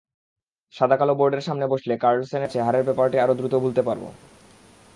সাদাকালো বোর্ডের সামনে বসলে কার্লসেনের কাছে হারের ব্যাপারটি আরও দ্রুত ভুলতে পারব।